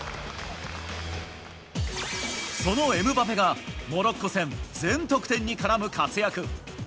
そのエムバペが、モロッコ戦、全得点に絡む活躍。